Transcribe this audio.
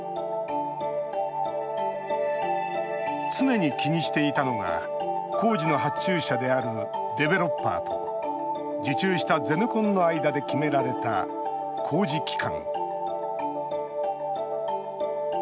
常に気にしていたのが工事の発注者であるデベロッパーと受注したゼネコンの間で決められた工事期間。